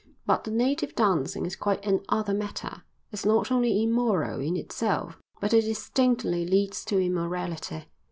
But the native dancing is quite another matter. It's not only immoral in itself, but it distinctly leads to immorality.